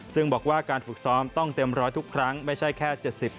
ซึ่งบอกว่าการฝึกซ้อมต้องเต็มร้อยทุกครั้งไม่ใช่แค่๗๐